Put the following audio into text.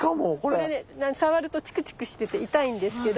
これね触るとチクチクしてて痛いんですけど。